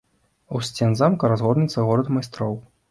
У сцен замка разгорнецца горад майстроў.